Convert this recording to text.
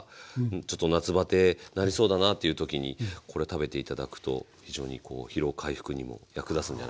ちょっと夏バテになりそうだな」っていう時にこれ食べて頂くと非常にこう疲労回復にも役立つんじゃないかなと。